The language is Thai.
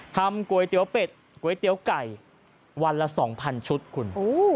ก๋วยเตี๋ยวเป็ดก๋วยเตี๋ยวไก่วันละ๒๐๐ชุดคุณ